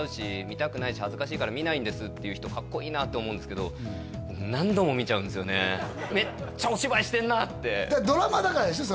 「見たくないし恥ずかしいから見ないんです」っていう人かっこいいなって思うんですけどめっちゃお芝居してんなってドラマだからでしょ？